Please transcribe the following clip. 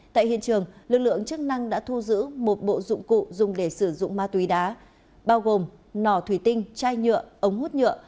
tại hiện trường lực lượng chức năng đã thu giữ một bộ dụng cụ dùng để sử dụng ma túy đá bao gồm nỏ thủy tinh chai nhựa ống hút nhựa